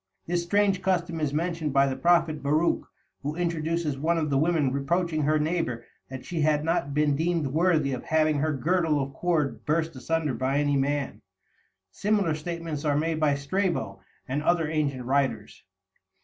This strange custom is mentioned by the prophet Baruch, who introduces one of the women reproaching her neighbor that she had not been deemed worthy of having her girdle of cord burst asunder by any man. Similar statements are made by Strabo and other ancient writers.